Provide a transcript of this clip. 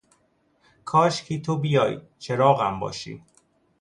کاشکی تو بیای ، چراغم باشی